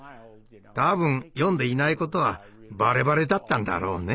多分読んでいないことはバレバレだったんだろうね。